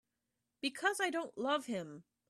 Because I don't love him.